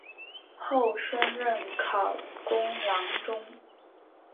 后升任考功郎中。